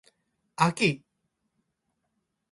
あき